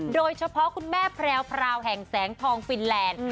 โดยเฉพาะคุณแม่แผลวแห่งแสงทองฟินแลนด์